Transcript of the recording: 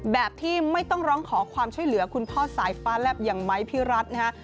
แบบที่ไม่ต้องร้องขอความช่วยเหลือคุณพ่อสายฟ้าแลบอย่างไม้พี่รัฐนะฮะ